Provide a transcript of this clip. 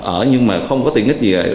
ở nhưng mà không có tiền ít gì